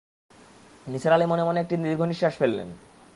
নিসার আলি মনে-মনে একটি দীর্ঘনিঃশ্বাস ফেললেন।